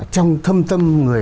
trong thâm tâm người